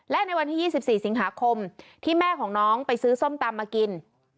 และในวันที่๒๔สิงหาคมที่แม่ของน้องไปซื้อส้มตำมากิน